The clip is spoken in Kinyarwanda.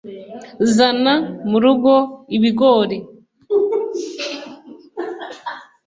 zana murugo ibigori.